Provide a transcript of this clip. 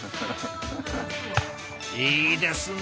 いいですね！